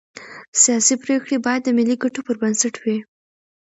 سیاسي پرېکړې باید د ملي ګټو پر بنسټ وي